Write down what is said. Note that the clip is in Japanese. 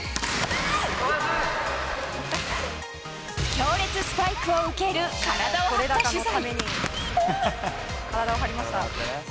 強烈スパイクを受ける体を張った取材。